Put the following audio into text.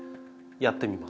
やってみます。